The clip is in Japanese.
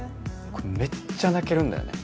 これめっちゃ泣けるんだよね